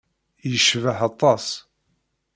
Yecbeḥ aṭas.